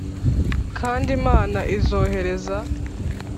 kandi imana izohereza